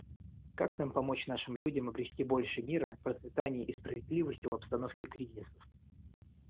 Как нам помочь нашим людям обрести больше мира, процветания и справедливости в обстановке кризисов?